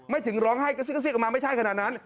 ถึงร้องไห้กระซิกซีกออกมาไม่ใช่ขนาดนั้น